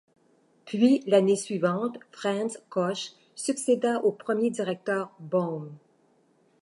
Puis l'année suivante, Franz Kosch succéda au premier directeur Böhm.